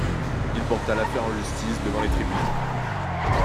Il porta l'affaire en justice devant les tribunaux.